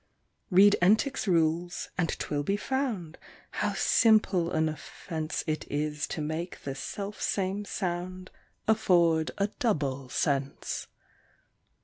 Read Entick's rules, and 'twill be found, how simple an offence It is to make the self same sound afford a double sense.